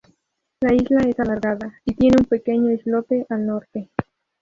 La isla es alargada, y tiene un pequeño islote al norte.